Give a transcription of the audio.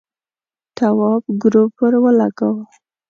تواب گروپ ور ولگاوه.